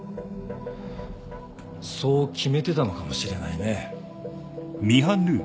そう決めてたのかもしれないね。